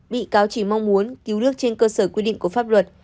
bị cáo chỉ mong muốn cứu nước trên cơ sở quy định của pháp luật